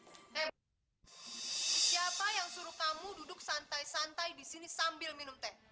eh siapa yang suruh kamu duduk santai santai disini sambil minum teh